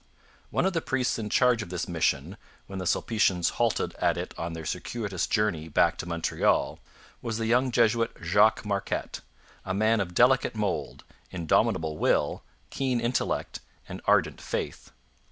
One of the priests in charge of this mission, when the Sulpicians halted at it on their circuitous journey back to Montreal, was the young Jesuit Jacques Marquette, a man of delicate mould, indomitable will, keen intellect, and ardent faith.